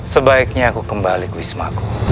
sebaiknya aku kembali ke wismaku